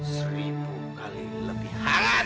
seribu kali lebih hangat